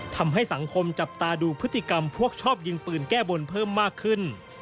ทำให้สังคมจับตาดูพฤติกรรมพวกชอบยิงปืนแก้บนเพิ่มมากขึ้น